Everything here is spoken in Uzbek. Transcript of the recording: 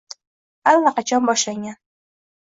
Allaqachon boshlangan.